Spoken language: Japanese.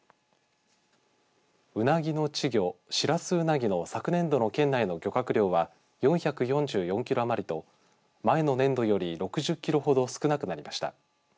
ウナギの稚魚、シラスウナギの昨年度の県内の漁獲量は４４４キロ余りと前の年度より６０キロほど少なくなりました。